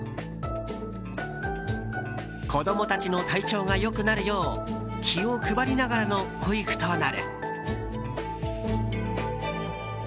子供たちの体調が良くなるよう気を配りながらの保育となる。